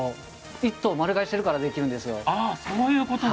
１頭丸買いしているからできるんですよ。